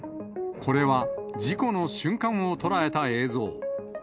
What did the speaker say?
これは事故の瞬間を捉えた映像。